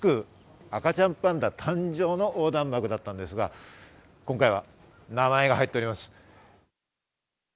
赤ちゃんパンダ誕生の横断幕だったんですが、今回は名前が入っております。